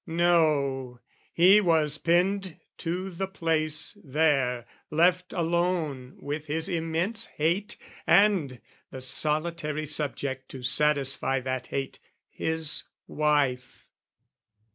No, he was pinned to the place there, left alone With his immense hate and, the solitary Subject to satisfy that hate, his wife.